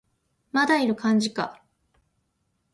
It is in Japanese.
まだいる感じか